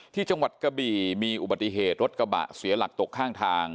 จังหวัดกะบี่มีอุบัติเหตุรถกระบะเสียหลักตกข้างทาง